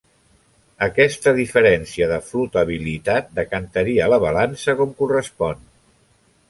Aquesta diferència de flotabilitat decantaria la balança com correspon.